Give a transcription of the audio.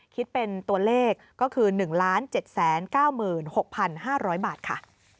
คิดเป็นตัวเลขก็คือ๑๗๙๖๕๐๐บาทค่ะ